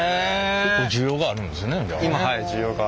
結構需要があるんですねじゃあ。